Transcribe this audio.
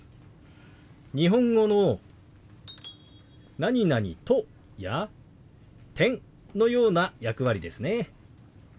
日本語の「と」や「、」のような役割ですね。